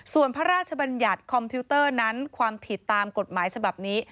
ส่วนพระราชบัญญัติคอมพิวเตอร์นั้นความผิดตามกฎหมายฉบับนี้